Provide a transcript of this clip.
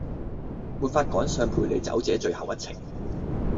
沒法趕上陪你走這最後一程